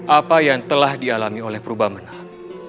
apa yang telah dialami oleh purba menang